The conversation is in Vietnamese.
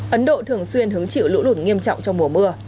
ấn độ thường xuyên hứng chịu lũ lụt nghiêm trọng trong mùa mưa